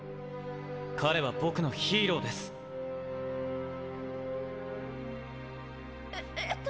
彼は僕のヒーローです！ええっと